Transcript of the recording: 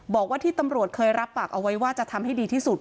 บอกว่าที่ตำรวจเคยรับปากเอาไว้ว่าจะทำให้ดีที่สุด